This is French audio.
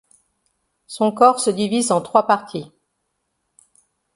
Son corps se divise en trois parties.